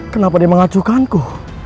kenapa dia mengacukanku